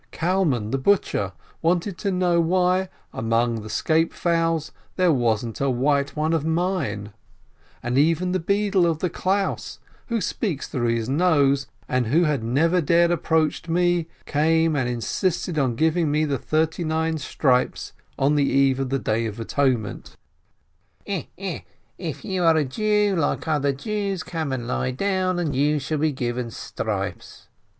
Kalmann the butcher wanted to know why, among the scape fowls, there wasn't a white one of mine; and even the beadle of the Klaus, who speaks through his nose, and who had never dared approach me, came and insisted on giving me the thirty nine stripes on the eve of the Day of Atonement: "Eh eh, if you are a Jew like other Jews, come and lie down, and you shall be given stripes!"